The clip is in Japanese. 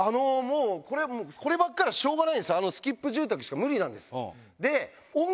こればっかりはしょうがないんすスキップ住宅しか無理なんです。